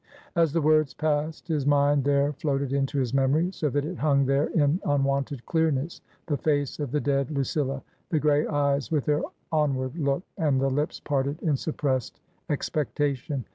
As the words passed his mind, there floated into his memory, so that it hung there in unwonted clearness, the face of the dead Lucilla, the grey eyes with their onward look and the lips parted in suppressed expecta tion.